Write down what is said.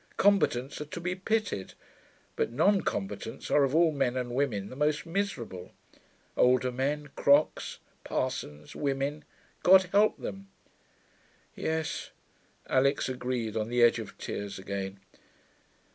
Combatants are to be pitied; but non combatants are of all men and women the most miserable. Older men, crocks, parsons, women God help them.' 'Yes,' Alix agreed, on the edge of tears again.